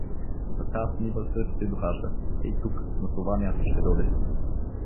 За таз нива съд ще дохажда, ей тук, на това място ще доде.